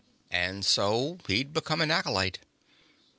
And so he'd become an acolyte.